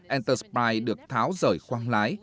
entersprite được tháo rời khoang lái